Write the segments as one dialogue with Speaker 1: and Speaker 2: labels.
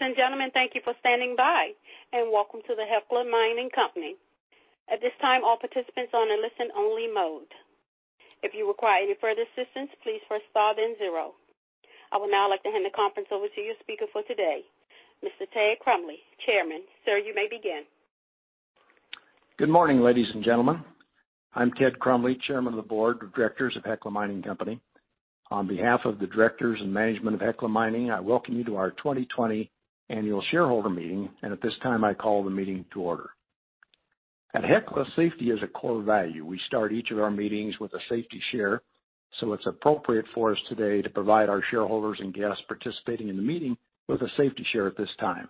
Speaker 1: Ladies and gentlemen, thank you for standing by, and welcome to the Hecla Mining Company. At this time, all participants are in listen-only mode. If you require any further assistance, please press star then zero. I would now like to hand the conference over to your speaker for today, Mr. Ted Crumley, Chairman. Sir, you may begin.
Speaker 2: Good morning, ladies and gentlemen. I'm Ted Crumley, Chairman of the Board of Directors of Hecla Mining Company. On behalf of the directors and management of Hecla Mining, I welcome you to our 2020 annual shareholder meeting, and at this time, I call the meeting to order. At Hecla, safety is a core value. We start each of our meetings with a safety share, so it's appropriate for us today to provide our shareholders and guests participating in the meeting with a safety share at this time.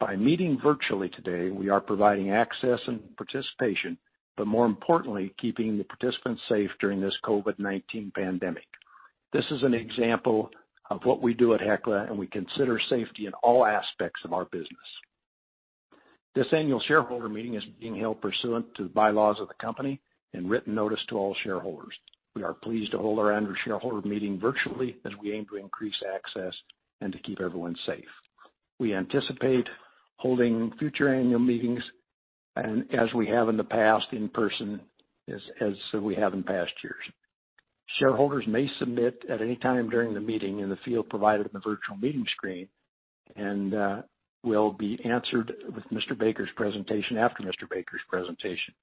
Speaker 2: By meeting virtually today, we are providing access and participation, but more importantly, keeping the participants safe during this COVID-19 pandemic. This is an example of what we do at Hecla, and we consider safety in all aspects of our business. This annual shareholder meeting is being held pursuant to the bylaws of the company and written notice to all shareholders. We are pleased to hold our annual shareholder meeting virtually as we aim to increase access and to keep everyone safe. We anticipate holding future annual meetings as we have in the past in person as we have in past years. Shareholders may submit at any time during the meeting in the field provided in the virtual meeting screen, will be answered with Mr. Baker's presentation after Mr. Baker's presentation.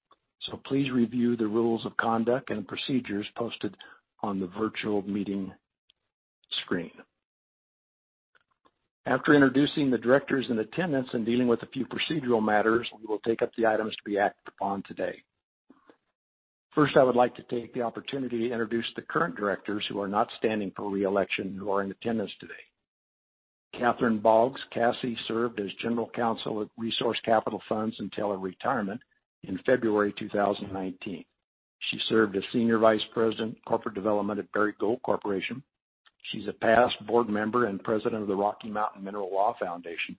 Speaker 2: Please review the rules of conduct and procedures posted on the virtual meeting screen. After introducing the directors in attendance and dealing with a few procedural matters, we will take up the items to be acted upon today. First, I would like to take the opportunity to introduce the current directors who are not standing for re-election who are in attendance today. Catherine Boggs, Cassie served as General Counsel at Resource Capital Funds until her retirement in February 2019. She served as Senior Vice President of Corporate Development at Barrick Gold Corporation. She's a past board member and president of the Rocky Mountain Mineral Law Foundation.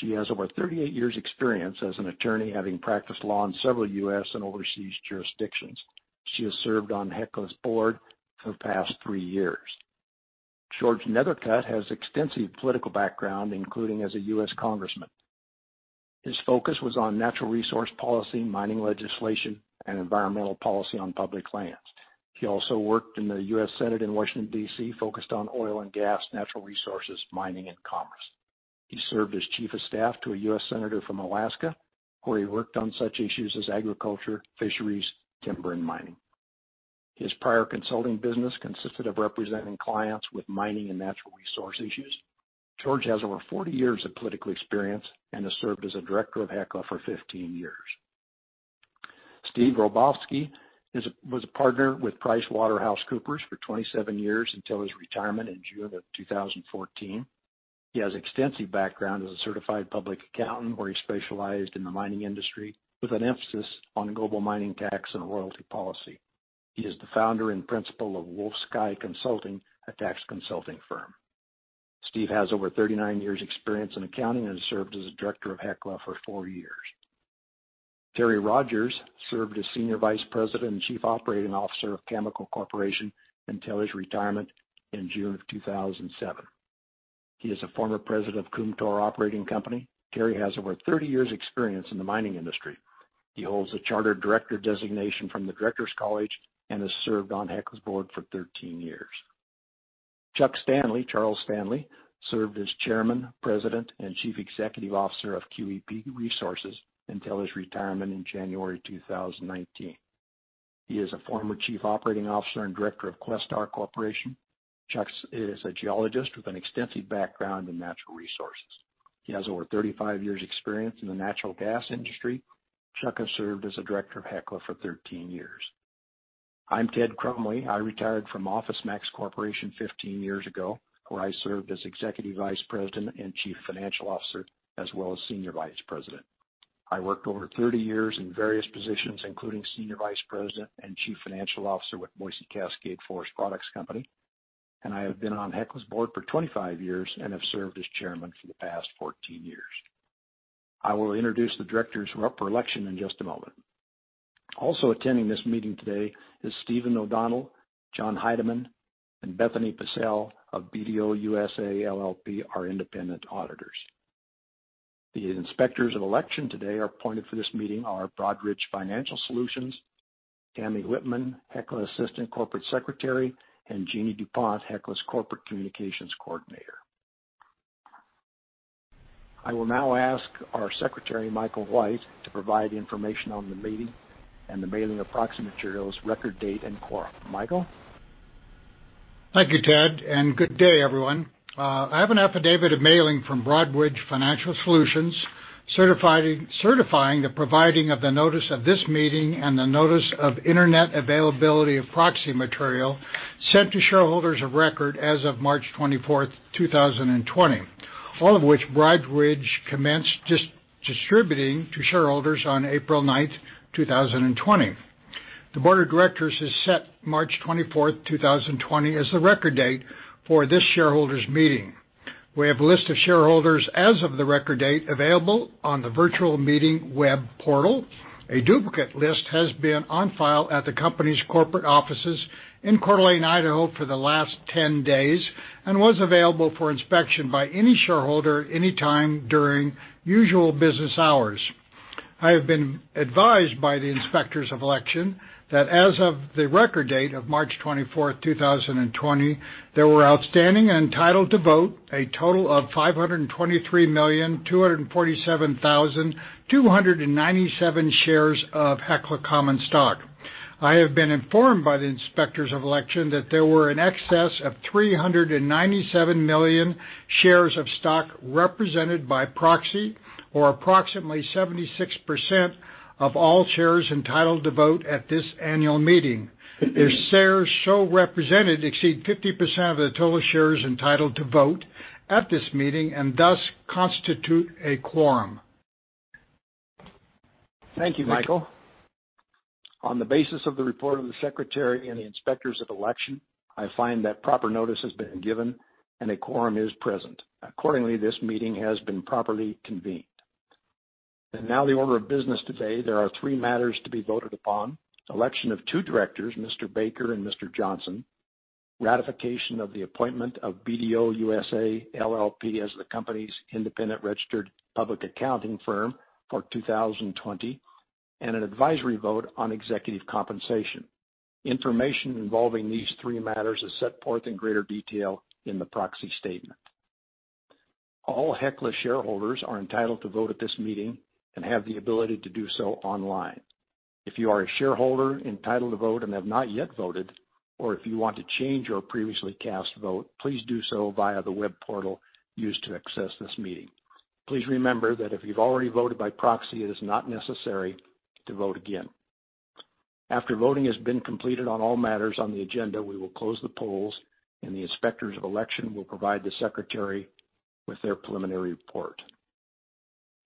Speaker 2: She has over 38 years experience as an attorney, having practiced law in several U.S. and overseas jurisdictions. She has served on Hecla's board for the past three years. George Nethercutt has extensive political background, including as a U.S. congressman. His focus was on natural resource policy, mining legislation, and environmental policy on public lands. He also worked in the U.S. Senate in Washington, D.C., focused on oil and gas, natural resources, mining, and commerce. He served as Chief of Staff to a U.S. senator from Alaska, where he worked on such issues as agriculture, fisheries, timber, and mining. His prior consulting business consisted of representing clients with mining and natural resource issues. George has over 40 years of political experience and has served as a director of Hecla for 15 years. Steve Ralbovsky was a partner with PricewaterhouseCoopers for 27 years until his retirement in June of 2014. He has extensive background as a certified public accountant, where he specialized in the mining industry with an emphasis on global mining tax and royalty policy. He is the founder and principal of Wolf Sky Consulting, a tax consulting firm. Steve has over 39 years experience in accounting and has served as a director of Hecla for four years. Terry Rogers served as Senior Vice President and Chief Operating Officer of Cameco Corporation until his retirement in June of 2007. He is a former president of Kumtor Operating Company. Terry has over 30 years experience in the mining industry. He holds a chartered director designation from The Directors College and has served on Hecla's board for 13 years. Chuck Stanley, Charles Stanley, served as Chairman, President, and Chief Executive Officer of QEP Resources until his retirement in January 2019. He is a former Chief Operating Officer and Director of Questar Corporation. Chuck is a geologist with an extensive background in natural resources. He has over 35 years experience in the natural gas industry. Chuck has served as a director of Hecla for 13 years. I'm Ted Crumley. I retired from OfficeMax Incorporated 15 years ago, where I served as Executive Vice President and Chief Financial Officer, as well as Senior Vice President. I worked over 30 years in various positions, including Senior Vice President and Chief Financial Officer with Boise Cascade Forest Products Company, and I have been on Hecla's board for 25 years and have served as Chairman for the past 14 years. I will introduce the directors who are up for election in just a moment. Also attending this meeting today is Stephen O'Donnell, John Heideman, and Bethany Pashel of BDO USA, LLP, our independent auditors. The inspectors of election today appointed for this meeting are Broadridge Financial Solutions, Tammy Whitman, Hecla Assistant Corporate Secretary, and Jeannie DuPont, Hecla's Corporate Communications Coordinator. I will now ask our Secretary, Michael White, to provide information on the meeting and the mailing of proxy materials, record date, and quorum. Michael?
Speaker 3: Thank you, Ted. Good day, everyone. I have an affidavit of mailing from Broadridge Financial Solutions, certifying the providing of the notice of this meeting and the notice of Internet availability of proxy material sent to shareholders of record as of March 24th, 2020, all of which Broadridge commenced distributing to shareholders on April 9th, 2020. The board of directors has set March 24th, 2020 as the record date for this shareholders meeting. We have a list of shareholders as of the record date available on the virtual meeting web portal. A duplicate list has been on file at the company's corporate offices in Coeur d'Alene, Idaho, for the last 10 days and was available for inspection by any shareholder at any time during usual business hours. I have been advised by the Inspectors of Election that as of the record date of March 24th, 2020, there were outstanding and entitled to vote a total of 523,247,297 shares of Hecla common stock. I have been informed by the Inspectors of Election that there were in excess of 397 million shares of stock represented by proxy, or approximately 76% of all shares entitled to vote at this annual meeting. The shares so represented exceed 50% of the total shares entitled to vote at this meeting and thus constitute a quorum.
Speaker 2: Thank you, Michael. On the basis of the report of the Secretary and the Inspectors of Election, I find that proper notice has been given and a quorum is present. Accordingly, this meeting has been properly convened. Now the order of business today, there are three matters to be voted upon. Election of two directors, Mr. Baker and Mr. Johnson, ratification of the appointment of BDO USA, LLP as the company's independent registered public accounting firm for 2020, and an advisory vote on executive compensation. Information involving these three matters is set forth in greater detail in the proxy statement. All Hecla shareholders are entitled to vote at this meeting and have the ability to do so online. If you are a shareholder entitled to vote and have not yet voted, or if you want to change your previously cast vote, please do so via the web portal used to access this meeting. Please remember that if you've already voted by proxy, it is not necessary to vote again. After voting has been completed on all matters on the agenda, we will close the polls and the Inspectors of Election will provide the Secretary with their preliminary report.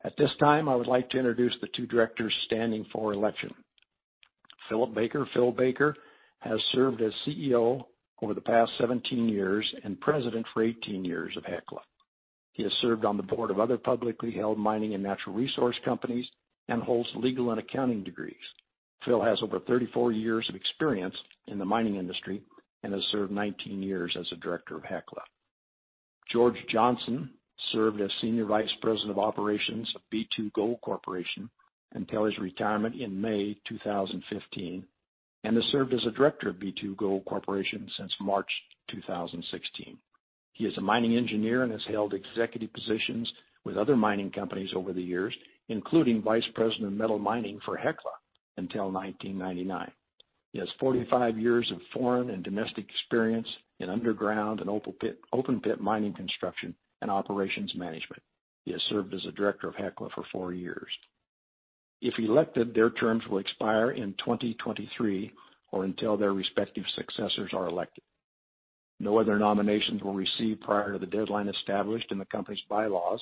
Speaker 2: At this time, I would like to introduce the two directors standing for election. Philip Baker. Phil Baker has served as CEO over the past 17 years and President for 18 years of Hecla. He has served on the board of other publicly held mining and natural resource companies and holds legal and accounting degrees. Phil has over 34 years of experience in the mining industry and has served 19 years as a Director of Hecla. George Johnson served as Senior Vice President of Operations of B2Gold Corp. until his retirement in May 2015 and has served as a Director of B2Gold Corp. since March 2016. He is a mining engineer and has held executive positions with other mining companies over the years, including Vice President of Metal Mining for Hecla until 1999. He has 45 years of foreign and domestic experience in underground and open pit mining construction and operations management. He has served as a Director of Hecla for four years. If elected, their terms will expire in 2023 or until their respective successors are elected. No other nominations were received prior to the deadline established in the company's bylaws,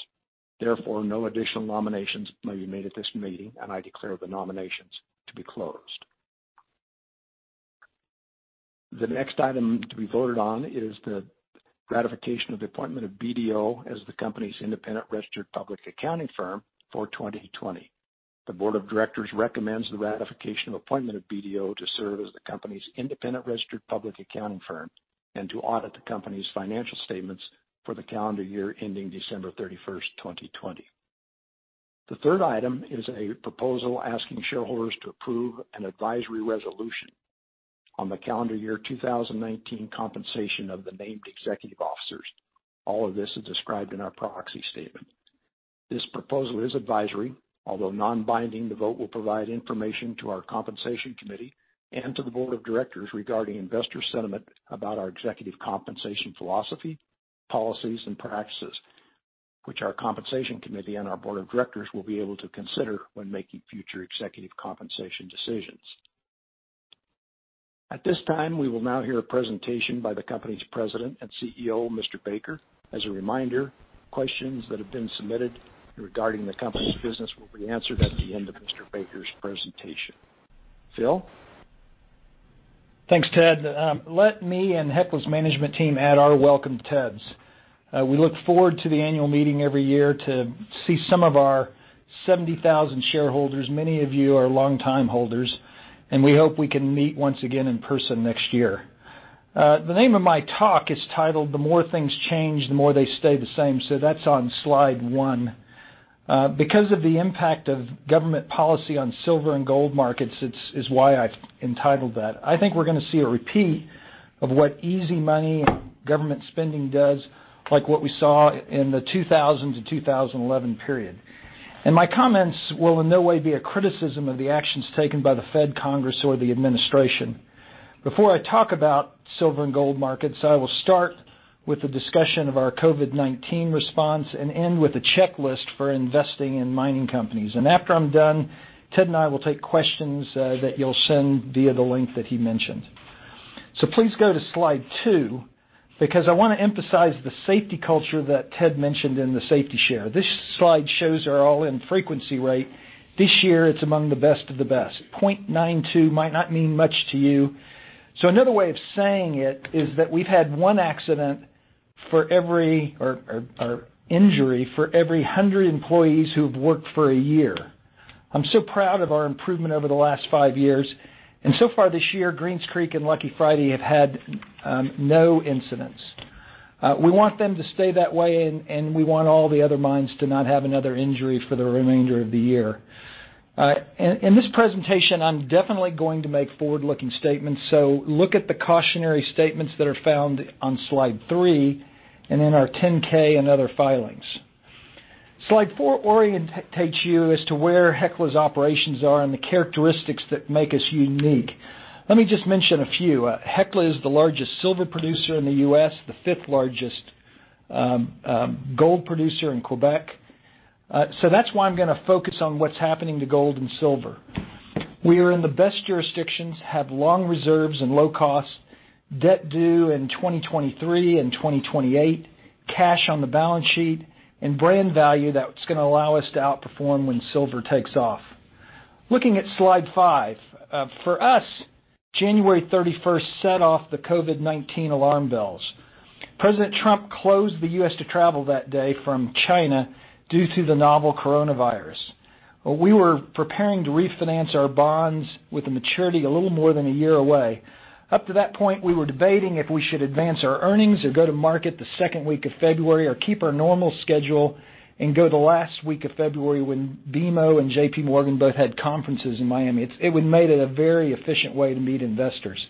Speaker 2: therefore, no additional nominations may be made at this meeting, and I declare the nominations to be closed. The next item to be voted on is the ratification of the appointment of BDO as the company's independent registered public accounting firm for 2020. The Board of Directors recommends the ratification of appointment of BDO to serve as the company's independent registered public accounting firm and to audit the company's financial statements for the calendar year ending December 31st, 2020. The third item is a proposal asking shareholders to approve an advisory resolution on the calendar year 2019 compensation of the named executive officers. All of this is described in our proxy statement. This proposal is advisory. Although non-binding, the vote will provide information to our Compensation Committee and to the Board of Directors regarding investor sentiment about our executive compensation philosophy, policies, and practices, which our Compensation Committee and our Board of Directors will be able to consider when making future executive compensation decisions. At this time, we will now hear a presentation by the company's President and CEO, Mr. Baker. As a reminder, questions that have been submitted regarding the company's business will be answered at the end of Mr. Baker's presentation. Phil?
Speaker 4: Thanks, Ted. Let me and Hecla's management team add our welcome Ted's. We look forward to the annual meeting every year to see some of our 70,000 shareholders. Many of you are longtime holders. We hope we can meet once again in person next year. The name of my talk is titled, The More Things Change, The More They Stay The Same. That's on slide one. Because of the impact of government policy on silver and gold markets is why I've entitled that. I think we're going to see a repeat of what easy money and government spending does, like what we saw in the 2000-2011 period. My comments will in no way be a criticism of the actions taken by the Fed Congress or the administration. Before I talk about silver and gold markets, I will start with a discussion of our COVID-19 response and end with a checklist for investing in mining companies. After I'm done, Ted and I will take questions that you'll send via the link that he mentioned. Please go to slide two, because I want to emphasize the safety culture that Ted mentioned in the safety share. This slide shows our all-in frequency rate. This year, it's among the best of the best, 0.92 might not mean much to you. Another way of saying it is that we've had one accident for every or injury for every 100 employees who've worked for a year. I'm so proud of our improvement over the last five years. So far this year, Greens Creek and Lucky Friday have had no incidents. We want them to stay that way, and we want all the other mines to not have another injury for the remainder of the year. In this presentation, I'm definitely going to make forward-looking statements, so look at the cautionary statements that are found on slide three and in our 10-K and other filings. Slide four orientates you as to where Hecla's operations are and the characteristics that make us unique. Let me just mention a few. Hecla is the largest silver producer in the U.S., the fifth largest gold producer in Quebec. That's why I'm going to focus on what's happening to gold and silver. We are in the best jurisdictions, have long reserves and low costs, debt due in 2023 and 2028, cash on the balance sheet, and brand value that's going to allow us to outperform when silver takes off. Looking at slide five. For us, January 31st set off the COVID-19 alarm bells. President Trump closed the U.S. to travel that day from China due to the novel coronavirus. We were preparing to refinance our bonds with a maturity a little more than one year away. Up to that point, we were debating if we should advance our earnings or go to market the second week of February or keep our normal schedule and go the last week of February when BMO and JPMorgan both had conferences in Miami. It would have made it a very efficient way to meet investors.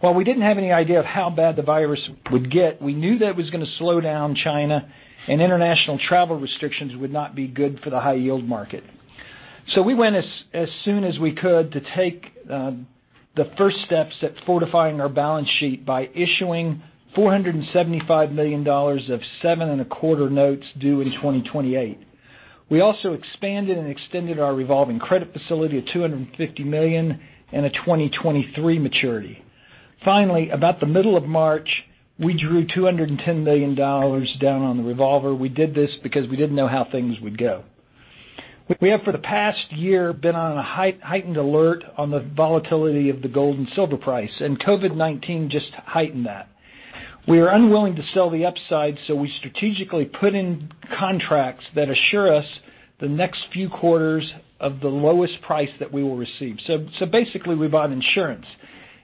Speaker 4: While we didn't have any idea of how bad the virus would get, we knew that it was going to slow down China and international travel restrictions would not be good for the high yield market. We went as soon as we could to take the first steps at fortifying our balance sheet by issuing $475 million of seven and a quarter notes due in 2028. We also expanded and extended our revolving credit facility of $250 million and a 2023 maturity. About the middle of March, we drew $210 million down on the revolver. We did this because we didn't know how things would go. We have, for the past year, been on a heightened alert on the volatility of the gold and silver price, and COVID-19 just heightened that. We are unwilling to sell the upside. We strategically put in contracts that assure us the next few quarters of the lowest price that we will receive. Basically, we bought insurance.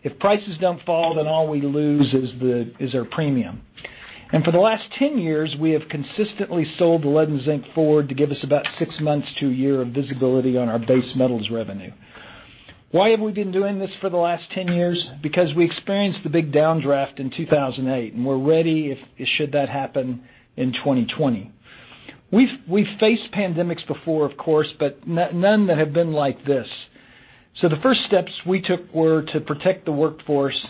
Speaker 4: If prices don't fall, then all we lose is our premium. For the last 10 years, we have consistently sold the lead and zinc forward to give us about six months to a year of visibility on our base metals revenue. Why have we been doing this for the last 10 years? Because we experienced the big downdraft in 2008, and we're ready should that happen in 2020. We've faced pandemics before, of course, none that have been like this. The first steps we took were to protect the workforce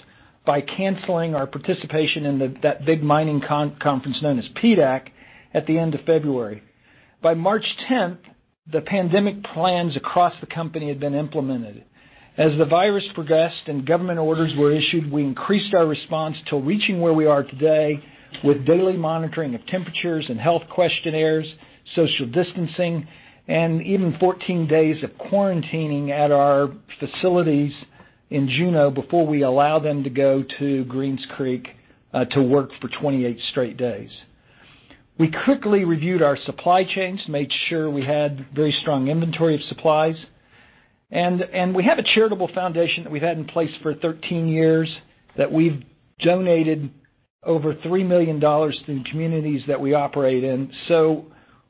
Speaker 4: by canceling our participation in that big mining conference known as PDAC at the end of February. By March 10th, the pandemic plans across the company had been implemented. As the virus progressed and government orders were issued, we increased our response to reaching where we are today with daily monitoring of temperatures and health questionnaires, social distancing, and even 14 days of quarantining at our facilities in Juneau before we allow them to go to Greens Creek, to work for 28 straight days. We quickly reviewed our supply chains, made sure we had very strong inventory of supplies. We have a charitable foundation that we've had in place for 13 years that we've donated over $3 million to the communities that we operate in.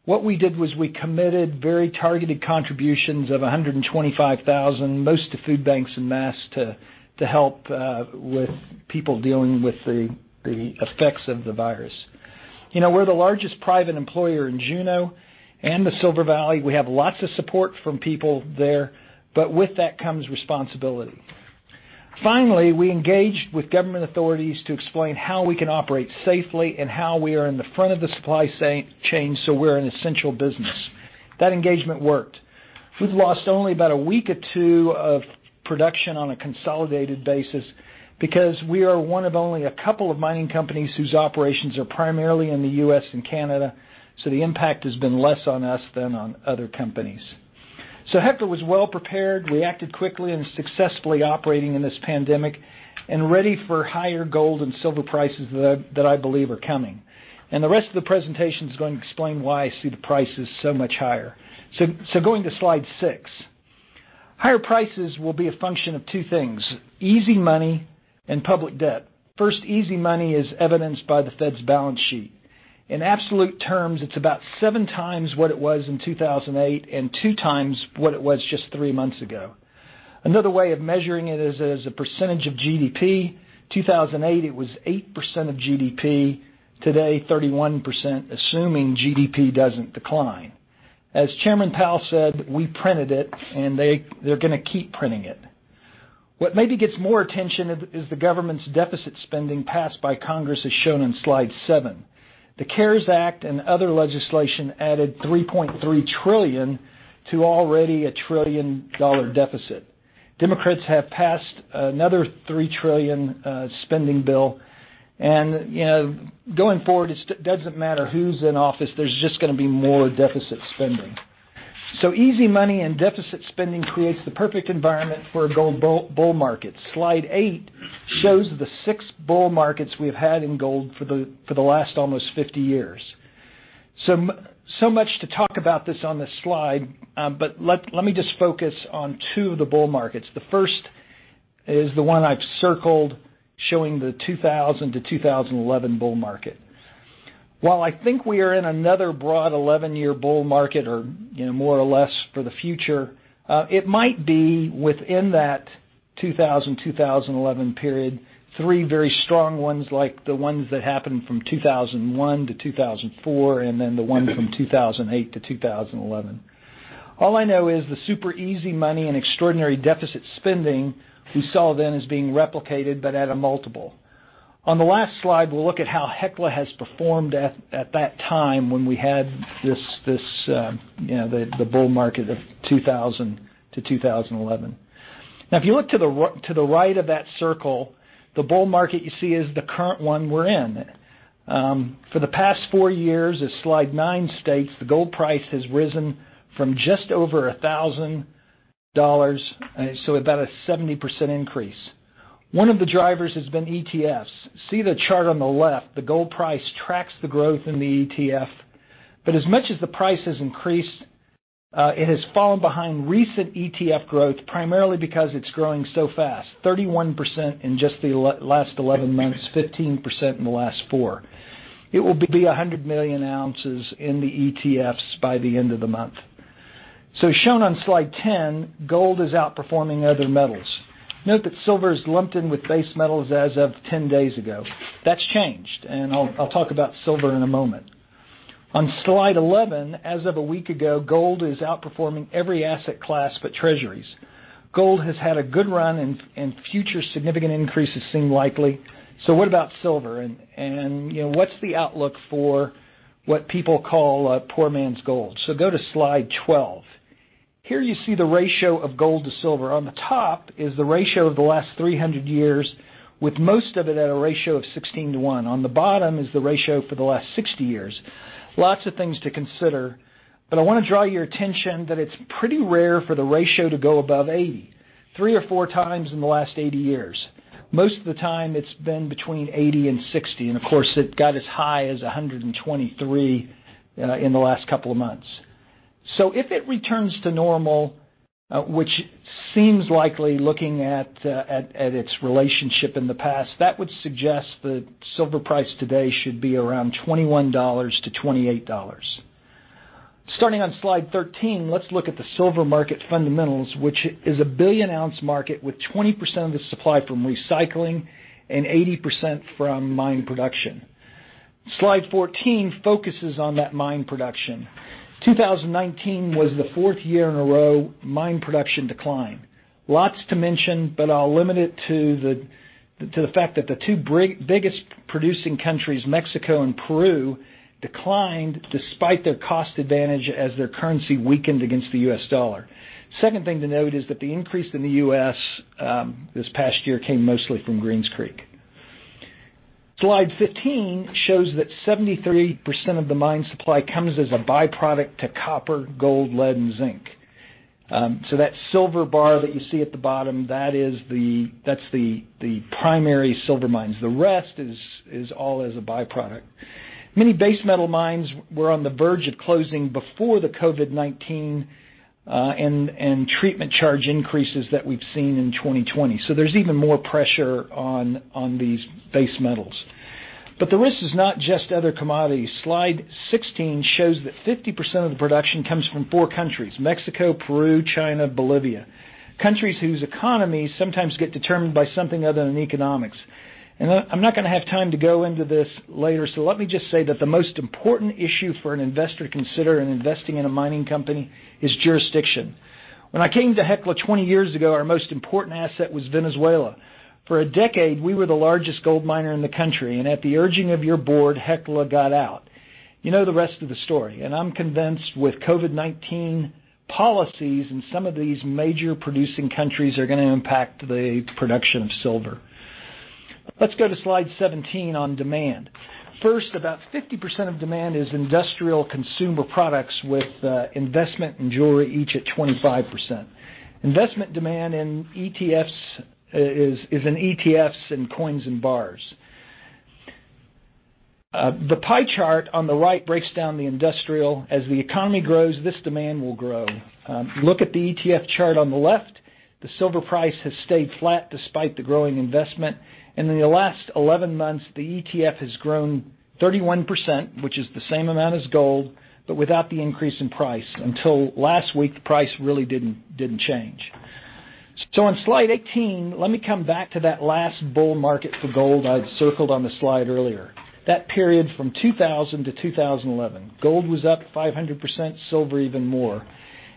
Speaker 4: What we did was we committed very targeted contributions of $125,000, most to food banks in mass to help with people dealing with the effects of the virus. We're the largest private employer in Juneau and the Silver Valley. We have lots of support from people there, with that comes responsibility. Finally, we engaged with government authorities to explain how we can operate safely and how we are in the front of the supply chain, we're an essential business. That engagement worked. We've lost only about a week or two of production on a consolidated basis because we are one of only a couple of mining companies whose operations are primarily in the U.S. and Canada, the impact has been less on us than on other companies. Hecla was well-prepared, reacted quickly, and is successfully operating in this pandemic and ready for higher gold and silver prices that I believe are coming. The rest of the presentation is going to explain why I see the prices so much higher. Going to slide six. Higher prices will be a function of two things, easy money and public debt. First, easy money is evidenced by the Fed's balance sheet. In absolute terms, it's about 7x what it was in 2008 and 2x what it was just three months ago. Another way of measuring it is as a percentage of GDP. 2008, it was 8% of GDP. Today, 31%, assuming GDP doesn't decline. As Chairman Powell said, we printed it, and they're going to keep printing it. What maybe gets more attention is the government's deficit spending passed by Congress, as shown in Slide seven. The CARES Act and other legislation added $3.3 trillion to already a trillion-dollar deficit. Democrats have passed another $3 trillion spending bill, and going forward, it doesn't matter who's in office, there's just going to be more deficit spending. Easy money and deficit spending creates the perfect environment for a gold bull market. Slide eight shows the six bull markets we've had in gold for the last almost 50 years. Much to talk about this on this slide, but let me just focus on two of the bull markets. The first is the one I've circled showing the 2000-2011 bull market. While I think we are in another broad 11-year bull market, or more or less for the future, it might be within that 2000-2011 period, three very strong ones like the ones that happened from 2001-2004, and then the one from 2008-2011. All I know is the super easy money and extraordinary deficit spending we saw then is being replicated, but at a multiple. On the last slide, we'll look at how Hecla has performed at that time when we had the bull market of 2000-2011. If you look to the right of that circle, the bull market you see is the current one we're in. For the past four years, as slide nine states, the gold price has risen from just over $1,000, about a 70% increase. One of the drivers has been ETFs. See the chart on the left, the gold price tracks the growth in the ETF. As much as the price has increased, it has fallen behind recent ETF growth, primarily because it's growing so fast, 31% in just the last 11 months, 15% in the last four. It will be 100 million ounces in the ETFs by the end of the month. Shown on slide 10, gold is outperforming other metals. Note that silver is lumped in with base metals as of 10 days ago. That's changed. I'll talk about silver in a moment. On slide 11, as of a week ago, gold is outperforming every asset class but Treasuries. Gold has had a good run. Future significant increases seem likely. What about silver? What's the outlook for what people call poor man's gold? Go to slide 12. Here you see the ratio of gold to silver. On the top is the ratio of the last 300 years, with most of it at a ratio of 16:1. On the bottom is the ratio for the last 60 years. Lots of things to consider. I want to draw your attention that it's pretty rare for the ratio to go above 80, 3x or 4x in the last 80 years. Most of the time, it's been between 80 and 60 years, and of course, it got as high as 123 years in the last couple of months. If it returns to normal, which seems likely looking at its relationship in the past, that would suggest the silver price today should be around $21-$28. Starting on slide 13, let's look at the silver market fundamentals, which is a billion ounce market with 20% of the supply from recycling and 80% from mine production. Slide 14 focuses on that mine production. 2019 was the fourth year in a row mine production declined. Lots to mention, but I'll limit it to the fact that the two biggest producing countries, Mexico and Peru, declined despite their cost advantage as their currency weakened against the U.S. dollar. Second thing to note is that the increase in the U.S. this past year came mostly from Greens Creek. Slide 15 shows that 73% of the mine supply comes as a byproduct to copper, gold, lead, and zinc. That silver bar that you see at the bottom, that's the primary silver mines. The rest is all as a byproduct. Many base metal mines were on the verge of closing before the COVID-19, and treatment charge increases that we've seen in 2020. There's even more pressure on these base metals. The risk is not just other commodities. Slide 16 shows that 50% of the production comes from four countries, Mexico, Peru, China, Bolivia, countries whose economies sometimes get determined by something other than economics. I'm not going to have time to go into this later, so let me just say that the most important issue for an investor to consider in investing in a mining company is jurisdiction. When I came to Hecla 20 years ago, our most important asset was Venezuela. For a decade, we were the largest gold miner in the country, and at the urging of your board, Hecla got out. You know the rest of the story. I'm convinced with COVID-19 policies and some of these major producing countries are going to impact the production of silver. Let's go to slide 17 on demand. First, about 50% of demand is industrial consumer products with investment and jewelry each at 25%. Investment demand is in ETFs and coins and bars. The pie chart on the right breaks down the industrial. As the economy grows, this demand will grow. Look at the ETF chart on the left. The silver price has stayed flat despite the growing investment. In the last 11 months, the ETF has grown 31%, which is the same amount as gold, but without the increase in price. Until last week, the price really didn't change. On slide 18, let me come back to that last bull market for gold I had circled on the slide earlier, that period from 2000-2011. Gold was up 500%, silver even more.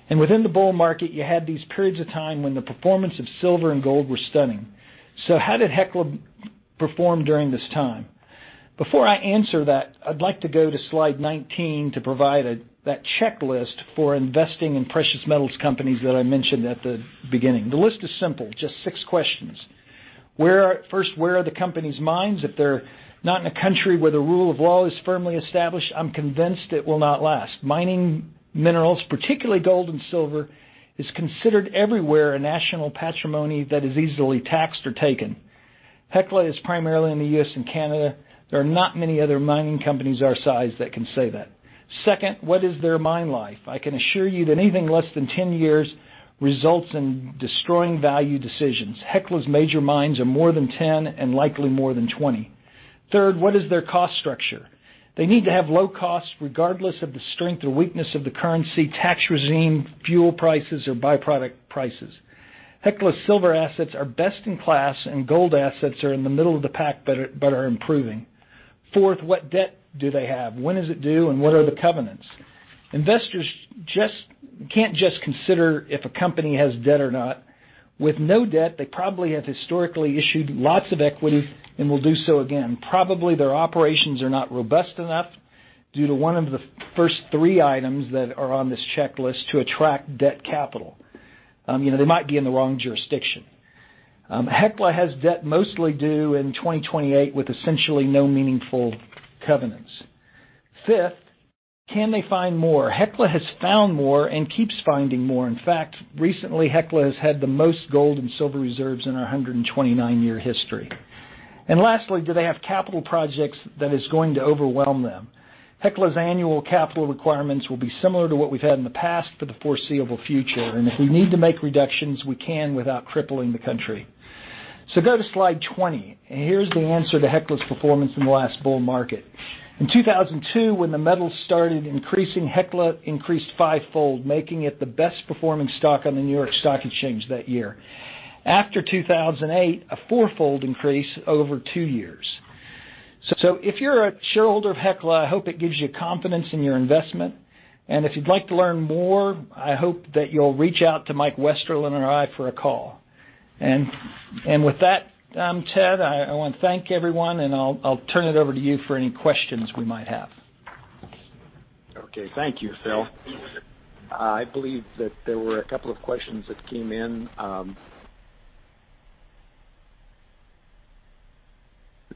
Speaker 4: Within the bull market, you had these periods of time when the performance of silver and gold were stunning. How did Hecla perform during this time? Before I answer that, I'd like to go to slide 19 to provide that checklist for investing in precious metals companies that I mentioned at the beginning. The list is simple, just six questions. First, where are the company's mines? If they're not in a country where the rule of law is firmly established, I'm convinced it will not last. Mining minerals, particularly gold and silver, is considered everywhere a national patrimony that is easily taxed or taken. Hecla is primarily in the U.S. and Canada. There are not many other mining companies our size that can say that. Second, what is their mine life? I can assure you that anything less than 10 years results in destroying value decisions. Hecla's major mines are more than 10, and likely more than 20. Third, what is their cost structure? They need to have low costs regardless of the strength or weakness of the currency, tax regime, fuel prices, or by-product prices. Hecla's silver assets are best in class, and gold assets are in the middle of the pack but are improving. Fourth, what debt do they have? When is it due, and what are the covenants? Investors can't just consider if a company has debt or not. With no debt, they probably have historically issued lots of equity and will do so again. Probably their operations are not robust enough due to one of the first three items that are on this checklist to attract debt capital. They might be in the wrong jurisdiction. Hecla has debt mostly due in 2028 with essentially no meaningful covenants. Fifth, can they find more? Hecla has found more and keeps finding more. In fact, recently, Hecla has had the most gold and silver reserves in our 129-year history. Lastly, do they have capital projects that is going to overwhelm them? Hecla's annual capital requirements will be similar to what we've had in the past for the foreseeable future. If we need to make reductions, we can without crippling the country. Go to slide 20, and here's the answer to Hecla's performance in the last bull market. In 2002, when the metals started increasing, Hecla increased fivefold, making it the best-performing stock on the New York Stock Exchange that year. After 2008, a four-fold increase over two years. If you're a shareholder of Hecla, I hope it gives you confidence in your investment. If you'd like to learn more, I hope that you'll reach out to Mike Westerlund or I for a call. With that, Ted, I want to thank everyone, and I'll turn it over to you for any questions we might have.
Speaker 2: Okay. Thank you, Phil. I believe that there were a couple of questions that came in, that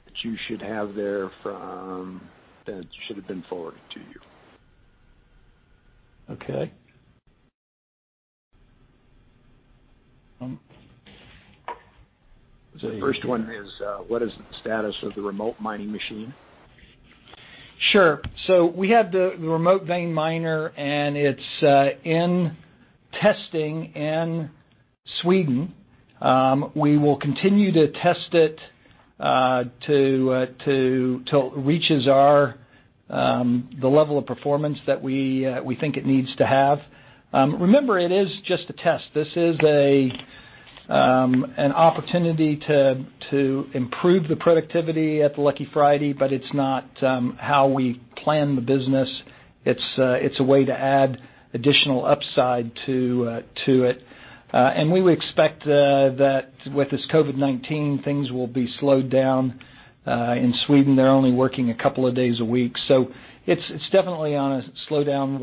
Speaker 2: should've been forwarded to you.
Speaker 4: Okay.
Speaker 2: The first one is, what is the status of the remote mining machine?
Speaker 4: We have the Remote Vein Miner, and it's in testing in Sweden. We will continue to test it till it reaches the level of performance that we think it needs to have. Remember, it is just a test. This is an opportunity to improve the productivity at the Lucky Friday, but it's not how we plan the business. It's a way to add additional upside to it. We would expect that with this COVID-19, things will be slowed down. In Sweden, they're only working a couple of days a week. It's definitely on a slowdown.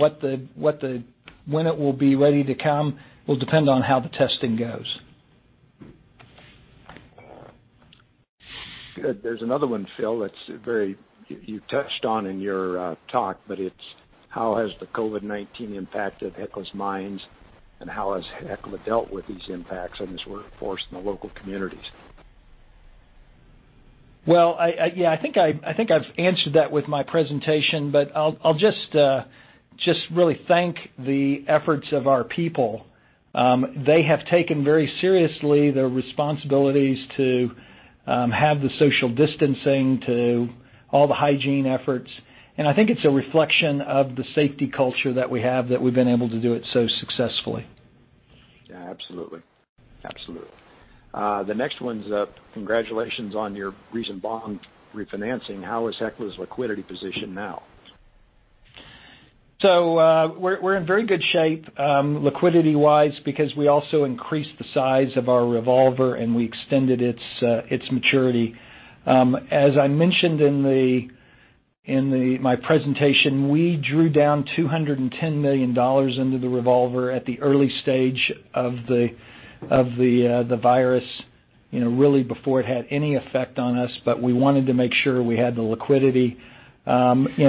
Speaker 4: When it will be ready to come will depend on how the testing goes.
Speaker 2: Good. There's another one, Phil, that you touched on in your talk, but it's how has the COVID-19 impacted Hecla's mines, and how has Hecla dealt with these impacts on its workforce and the local communities?
Speaker 4: Well, yeah, I think I've answered that with my presentation. I'll just really thank the efforts of our people. They have taken very seriously their responsibilities to have the social distancing, to all the hygiene efforts. I think it's a reflection of the safety culture that we have that we've been able to do it so successfully.
Speaker 2: Yeah, absolutely. The next one's. Congratulations on your recent bond refinancing. How is Hecla's liquidity position now?
Speaker 4: We're in very good shape, liquidity wise, because we also increased the size of our revolver, and we extended its maturity. As I mentioned in my presentation, we drew down $210 million into the revolver at the early stage of the virus, really before it had any effect on us, but we wanted to make sure we had the liquidity.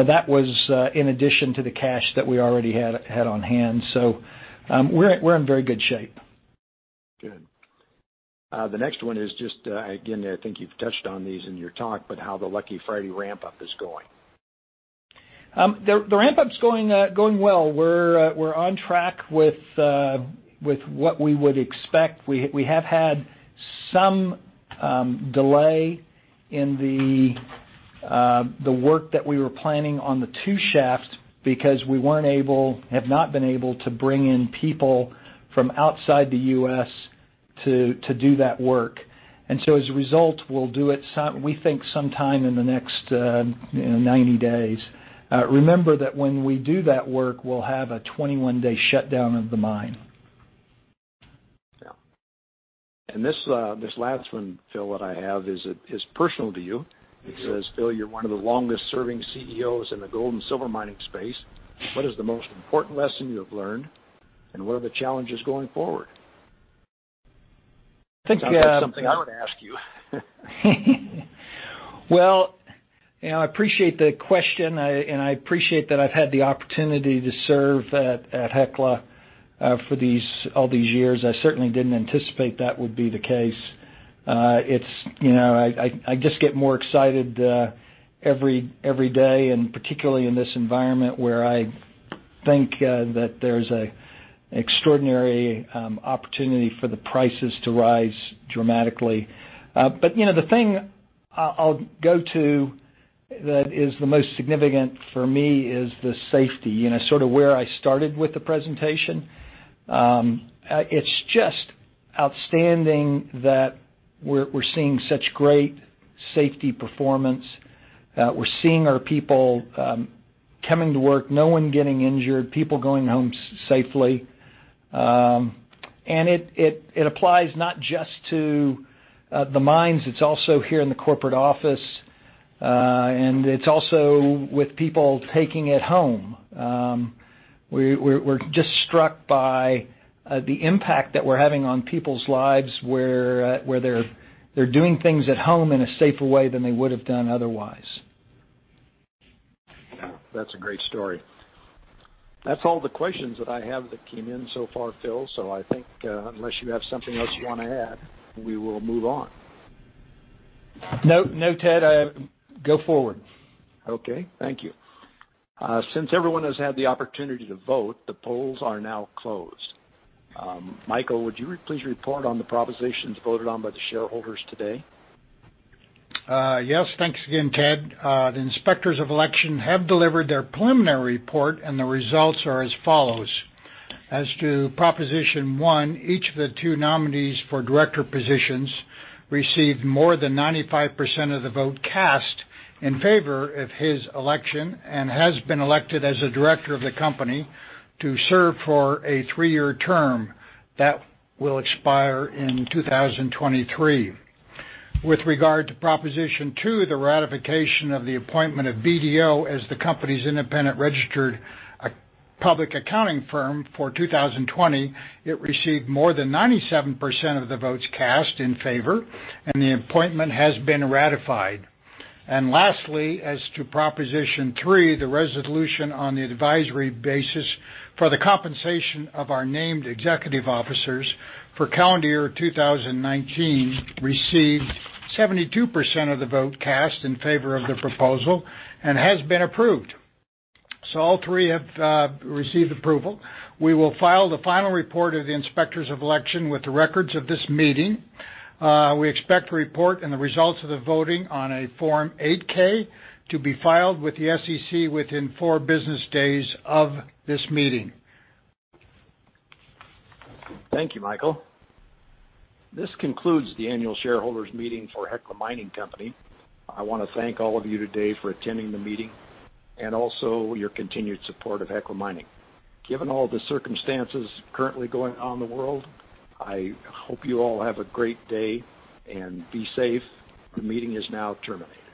Speaker 4: That was in addition to the cash that we already had on hand. We're in very good shape.
Speaker 2: Good. The next one is just, again, I think you've touched on these in your talk, but how the Lucky Friday ramp-up is going.
Speaker 4: The ramp-up's going well. We're on track with what we would expect. We have had some delay in the work that we were planning on the two shafts because we have not been able to bring in people from outside the U.S. to do that work. As a result, we'll do it, we think, sometime in the next 90 days. Remember that when we do that work, we'll have a 21-day shutdown of the mine.
Speaker 2: Yeah. This last one, Phil, that I have is personal to you. It says, Phil, you're one of the longest-serving CEOs in the gold and silver mining space. What is the most important lesson you have learned, and what are the challenges going forward? Sounds like something I would ask you.
Speaker 4: Well, I appreciate the question, and I appreciate that I've had the opportunity to serve at Hecla all these years. I certainly didn't anticipate that would be the case. I just get more excited every day. Particularly in this environment, where I think that there's an extraordinary opportunity for the prices to rise dramatically. The thing I'll go to that is the most significant for me is the safety, sort of where I started with the presentation. It's just outstanding that we're seeing such great safety performance. We're seeing our people coming to work, no one getting injured, people going home safely. It applies not just to the mines, it's also here in the corporate office, and it's also with people taking it home. We're just struck by the impact that we're having on people's lives, where they're doing things at home in a safer way than they would have done otherwise.
Speaker 2: Yeah, that's a great story. That's all the questions that I have that came in so far, Phil. I think, unless you have something else you want to add, we will move on.
Speaker 4: No, Ted. Go forward.
Speaker 2: Okay, thank you. Since everyone has had the opportunity to vote, the polls are now closed. Michael, would you please report on the propositions voted on by the shareholders today?
Speaker 3: Yes. Thanks again, Ted. The Inspectors of Election have delivered their preliminary report, and the results are as follows. As to Proposition One, each of the two nominees for director positions received more than 95% of the vote cast in favor of his election, and has been elected as a director of the company to serve for a three-year term that will expire in 2023. With regard to Proposition Two, the ratification of the appointment of BDO as the company's independent registered public accounting firm for 2020, it received more than 97% of the votes cast in favor, and the appointment has been ratified. Lastly, as to Proposition Three, the resolution on the advisory basis for the compensation of our named executive officers for calendar year 2019 received 72% of the vote cast in favor of the proposal, and has been approved. All three have received approval. We will file the final report of the Inspectors of Election with the records of this meeting. We expect the report and the results of the voting on a Form 8-K to be filed with the SEC within four business days of this meeting.
Speaker 2: Thank you, Michael. This concludes the annual shareholders meeting for Hecla Mining Company. I want to thank all of you today for attending the meeting, and also your continued support of Hecla Mining. Given all the circumstances currently going on in the world, I hope you all have a great day, and be safe. The meeting is now terminated.